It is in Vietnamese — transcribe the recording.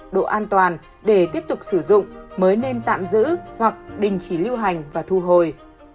độ an toàn để tiếp tục sử dụng mới nên tạm giữ hoặc đình chỉ lưu hành và thu hồi